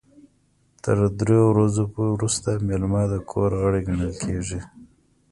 تر دریو ورځو وروسته میلمه د کور غړی ګڼل کیږي.